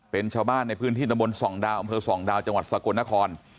เป็นชาวบ้านในพื้นที่ตำบลส่องดาวอำเภอส่องดาวจังหวัดสกลนคร